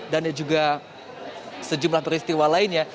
juga sejumlah peristiwa lainnya